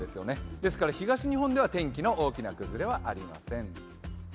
ですから東日本では天気の大きな崩れはありません。